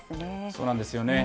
そうなんですよね。